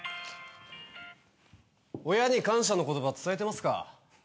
親に感謝の言葉伝えてますか？